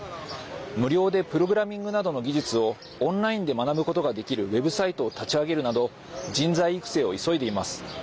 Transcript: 無料でプログラミングなどの技術をオンラインで学ぶことができるウェブサイトを立ち上げるなど人材育成を急いでいます。